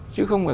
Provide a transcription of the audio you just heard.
chứ không phải